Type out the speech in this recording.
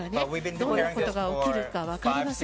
どんなことが起きるか分かりません。